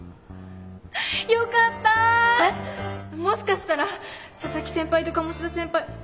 もしかしたら佐々木先輩と鴨志田先輩